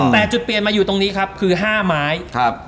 แต่จุดเปลี่ยนมาอยู่ตรงนี้ครับคือ๕ไม้